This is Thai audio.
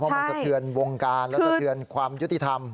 มันสะเทือนวงการและสะเทือนความยุติธรรม